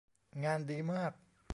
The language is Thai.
งานดีมาก